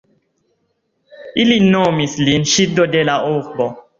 Ili nomis lin "ŝildo de la urbo".